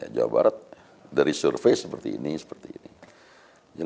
jawa barat dari survei seperti ini seperti ini